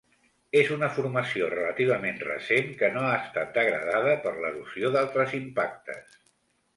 És una formació relativament recent que no ha estat degradada per l'erosió d'altres impactes.